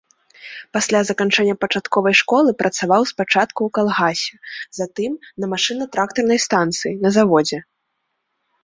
Пасля заканчэння пачатковай школы працаваў спачатку ў калгасе, затым на машынна-трактарнай станцыі, на заводзе.